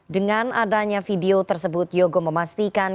dengan adanya video tersebut yogo memastikan